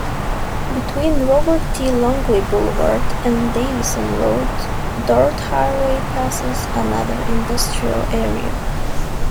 Between Robert T. Longway Boulevard and Davison Road, Dort Highway passes another industrial area.